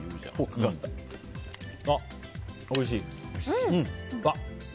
おいしい。